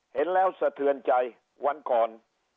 เห็นแล้วสะเทือนใจวันก่อน